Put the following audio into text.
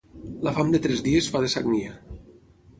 La fam de tres dies fa de sagnia.